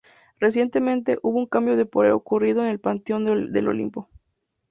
Recientemente, hubo un cambio de poder ocurrido en el Panteón del olimpo.